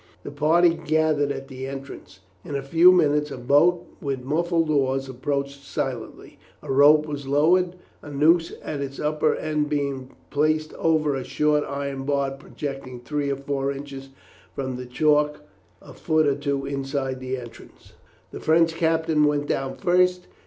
The party gathered at the entrance. In a few minutes a boat with muffled oars approached silently; a rope was lowered, a noose at its upper end being placed over a short iron bar projecting three or four inches from the chalk a foot or two inside the entrance. The French captain went down first.